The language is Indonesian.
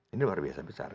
ini luar biasa besar